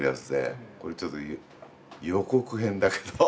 これちょっと予告編だけど。